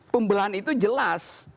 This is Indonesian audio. pembelahan itu jelas